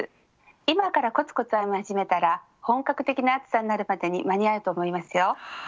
今からコツコツ編み始めたら本格的な暑さになるまでに間に合うと思いますよ。